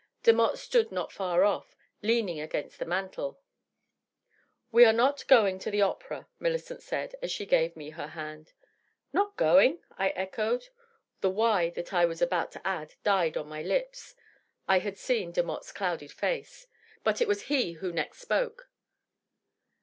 Demotte stood not far on, leaning against the mantel. " We are not going to the opera," Millicent said, as she gave me her hand. " Not going ?" I echoed. The " why?" that I was about to add died on my lips ; I had seen Demotte^s clouded face. But it was he who next spoke.